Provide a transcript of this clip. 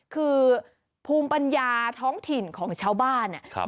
คือภูมิปัญญาท้องถิ่นของชาวบ้านเนี่ย